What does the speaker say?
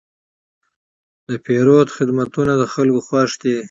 د پیرود خدمتونه د خلکو خوښ دي.